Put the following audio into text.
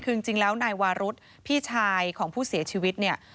คือจริงแล้วนายวารุธพี่ชายของผู้เสียชีวิตเนี่ย